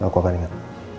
aku akan ingat